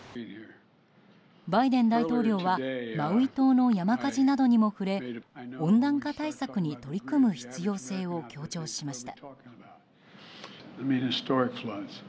バイデン大統領はマウイ島の山火事などにも触れ温暖化対策に取り組む必要性を強調しました。